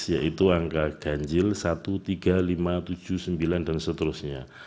yaitu angka ganjil satu tiga lima tujuh puluh sembilan dan seterusnya